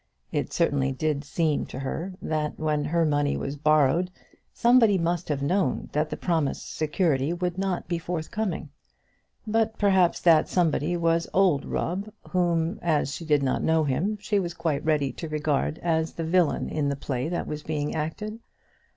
It certainly did seem to her that when her money was borrowed somebody must have known that the promised security would not be forthcoming; but perhaps that somebody was old Rubb, whom, as she did not know him, she was quite ready to regard as the villain in the play that was being acted.